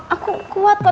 aku kuat kok